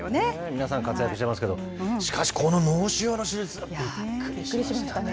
皆さん、活躍してますけれども、しかしこの脳腫瘍の手術、びっくりしましたね。